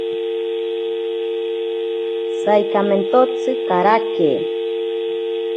Saikamentotsi karake.